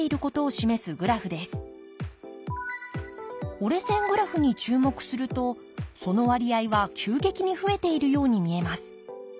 折れ線グラフに注目するとその割合は急激に増えているように見えます。